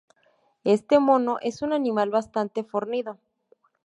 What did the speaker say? Este mono es un animal bastante fornido.